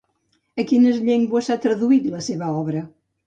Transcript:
A quines llengües s'ha traduït la seva obra?